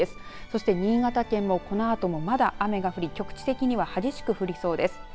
そして新潟県も、このあともまだ雨が降り、局地的には激しく降りそうです。